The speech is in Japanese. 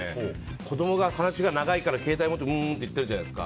子供の話が長いから携帯持って、ふーんって言ってるじゃないですか。